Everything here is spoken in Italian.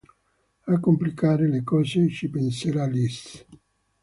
A complicare le cose ci penserà Liz.